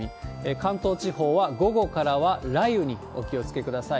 関東地方は午後からは雷雨にお気をつけください。